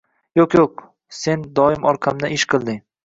Yo‘q yo‘q, sen doim orqamdan ish qilding